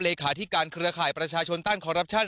เลขาธิการเครือข่ายประชาชนต้านคอรัปชั่น